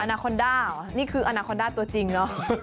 นาคอนด้าเหรอนี่คืออนาคอนด้าตัวจริงเนอะ